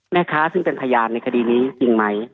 แม่ค้าซึ่งเป็นพยานในคดีนี้จริงไหม